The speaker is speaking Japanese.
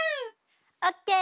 オッケー！